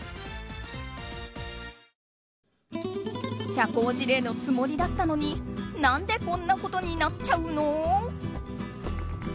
社交辞令のつもりだったのに何でこんなことになっちゃうの？